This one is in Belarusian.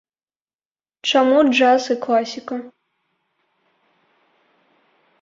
Чаму джаз і класіка?